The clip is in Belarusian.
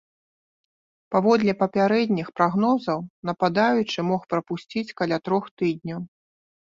Паводле папярэдніх прагнозаў, нападаючы мог прапусціць каля трох тыдняў.